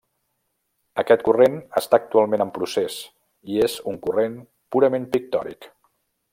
Aquest corrent està actualment en procés i és un corrent purament pictòric.